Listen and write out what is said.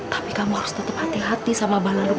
tapi kamu harus tetap hati hati sama mbak landung